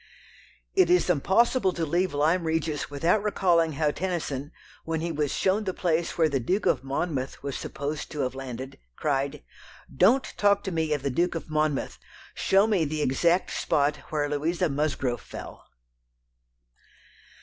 It is impossible to leave Lyme Regis without recalling how Tennyson, when he was shown the place where the Duke of Monmouth was supposed to have landed, cried: "Don't talk to me of the Duke of Monmouth! Show me the exact spot where Louisa Musgrove fell!"